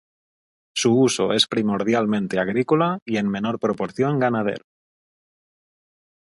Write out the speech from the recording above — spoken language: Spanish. Su uso es primordialmente agrícola y en menor proporción ganadero.